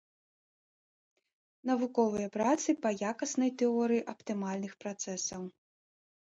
Навуковыя працы па якаснай тэорыі аптымальных працэсаў.